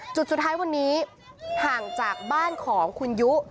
จุดสุดท้ายวันนี้ห่างจากบ้านของคุณยุ